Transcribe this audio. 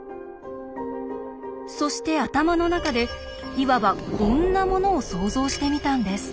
そして頭の中でいわばこんなものを想像してみたんです。